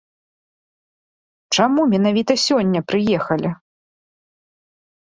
Чаму менавіта сёння прыехалі?